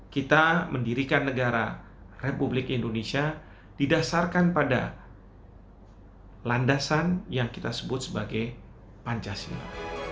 kita mendirikan negara republik indonesia didasarkan pada landasan yang kita sebut sebagai pancasila